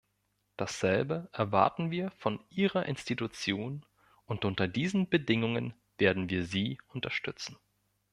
Dasselbe erwarten wir von Ihrer Institution, und unter diesen Bedingungen werden wir Sie unterstützen.